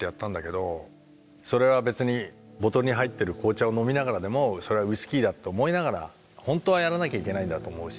それは別にボトルに入ってる紅茶を飲みながらでもそれはウイスキーだと思いながら本当はやらなきゃいけないんだと思うし。